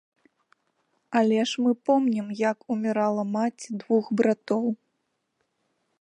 Але ж мы помнім, як умірала маці двух братоў.